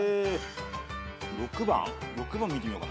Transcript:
６番見てみようかな。